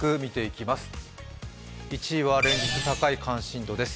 １位は連日高い関心度です